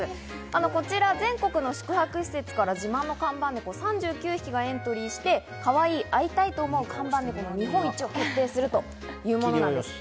こちら全国の宿泊施設から自慢の看板猫３９匹がエントリーして、かわいい、会いたいと思う看板猫の日本一を決定するというものなんです。